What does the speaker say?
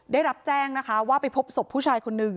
ได้รับแจ้งนะคะว่าไปพบศพผู้ชายคนนึง